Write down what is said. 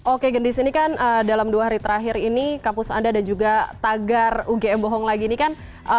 oke gendis ini kan dalam dua hari terakhir ini kampus anda dan juga tagar ugm bohong lagi ini kan